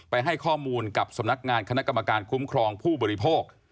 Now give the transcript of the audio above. ให้ข้อมูลกับสำนักงานคณะกรรมการคุ้มครองผู้บริโภค